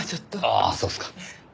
ああそうっすか。